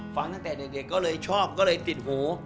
ตั้งแต่เด็กก็เลยชอบก็เลยติดหู